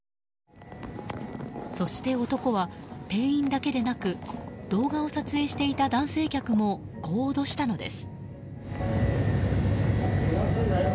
そして、男は店員だけでなく動画を撮影していた男性客もこう脅したのです。